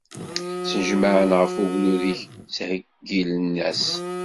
Ttnejmaɛen ɣef ugdud-ik, ttḥeyyilen-as.